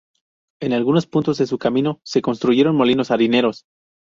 En algunos puntos de su camino se construyeron molinos harineros.